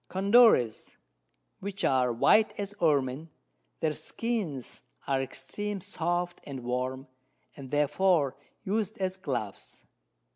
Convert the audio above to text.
Condores, which are white as Ermin; their Skins are extreme soft and warm, and therefore us'd as Gloves.